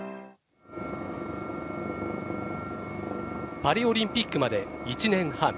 パリオリンピックまで１年半。